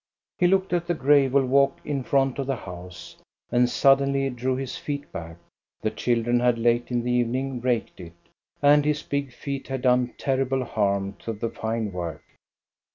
He looked at the gravel walk in front of the house and suddenly drew his feet back. The children had late in the evening raked it, and his big feet had done terrible harm to the fine work.